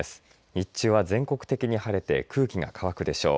日中は全国的に晴れて空気が乾くでしょう。